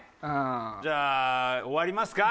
じゃあ終わりますか？